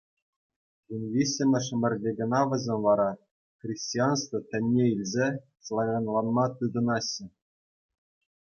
Вунвиҫҫӗмӗш ӗмӗрте кӑна вӗсем вара, христианство тӗнне илсе, славянланма тытӑнаҫҫӗ.